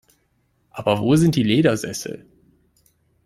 Aber wo sind die Ledersessel?